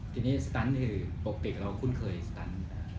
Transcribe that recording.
ทีนี้สตันท์คือโปรปิคเราคุ้นเคยสตันท์